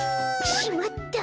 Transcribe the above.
しまった！